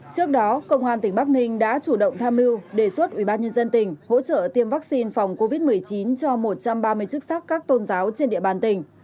trước đó công an tỉnh bắc ninh đã chủ động tham mưu đề xuất ubnd tỉnh hỗ trợ tiêm vaccine phòng covid một mươi chín cho một trăm ba mươi chức sắc các tôn giáo trên địa bàn tỉnh